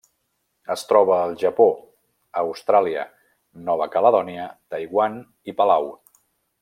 Es troba al Japó, Austràlia, Nova Caledònia, Taiwan i Palau.